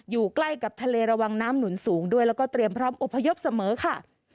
อยู่ใกล้กับทะเลระวังน้ำหนุนสูงด้วยแล้วก็เตรียมพร้อมอพยพเสมอค่ะ